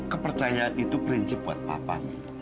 kepercayaan itu prinsip buat papa